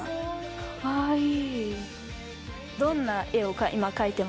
かわいい。